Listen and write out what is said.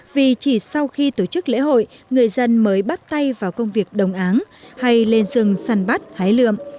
vì chỉ sau khi tổ chức lễ hội người dân mới bắt tay vào công việc đồng áng hay lên rừng săn bắt hái lượm